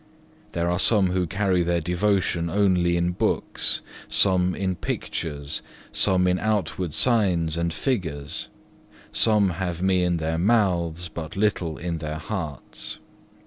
There are some who carry their devotion only in books, some in pictures, some in outward signs and figures; some have Me in their mouths, but little in their hearts.